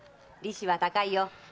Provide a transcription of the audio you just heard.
利子は高いよ。